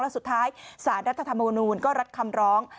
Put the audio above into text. แล้วสุดท้ายสารรัฐธรรมนูลก็รัดคำร้อง